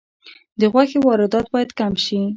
د غوښې واردات باید کم شي